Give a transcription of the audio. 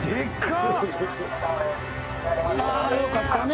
いやよかったね。